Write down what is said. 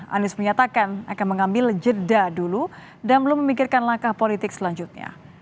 anies menyatakan akan mengambil jeda dulu dan belum memikirkan langkah politik selanjutnya